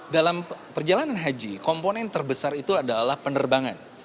dalam perjalanan haji komponen terbesar itu adalah penerbangan